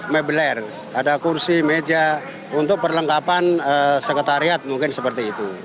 mebeler ada kursi meja untuk perlengkapan sekretariat mungkin seperti itu